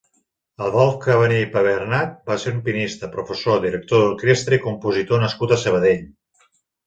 Adolf Cabané i Pibernat va ser un pianista, professor, director d'orquestra i compositor nascut a Sabadell.